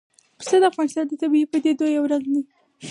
پسه د افغانستان د طبیعي پدیدو یو رنګ دی.